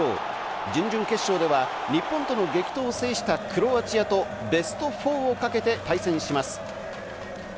準々決勝では日本との激闘を制したクロアチアとベスト４かけて対戦します。